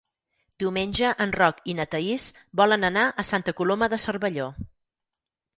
Diumenge en Roc i na Thaís volen anar a Santa Coloma de Cervelló.